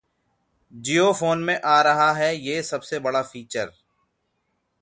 JioPhone में आ रहा है ये सबसे बड़ा फीचर